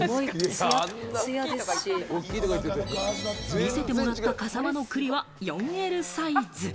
見せてもらった笠間の栗は４Ｌサイズ。